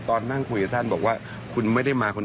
ตอนนั่งคุยกับท่านบอกว่าคุณไม่ได้มา